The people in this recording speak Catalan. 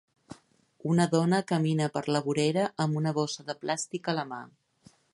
Una dona camina per la vorera amb una bossa de plàstic a la mà.